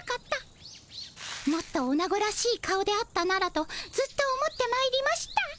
もっとオナゴらしい顔であったならとずっと思ってまいりました。